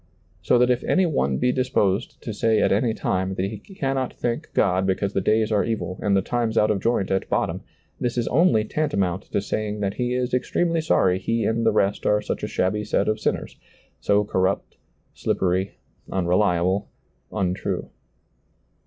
So that if any one be dis posed to say at any time that he cannot thank God because the days are evil and the times out of joint at bottom, this is only tantamountto say ing that he is extremely sorry he and the rest are ^lailizccbvGoOgle l6o SEEING DARKLY such a shabby set of sinners ; so corrupt, slippery, unreliable, untrue.